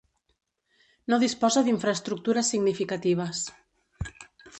No disposa d'infraestructures significatives.